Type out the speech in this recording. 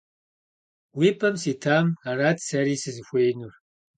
Vui p'em sitame, arat seri sızıxuêinur.